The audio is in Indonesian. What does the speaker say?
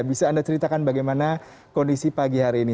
bisa anda ceritakan bagaimana kondisi pagi hari ini